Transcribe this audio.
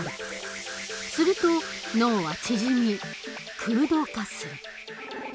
すると脳は縮み空洞化する。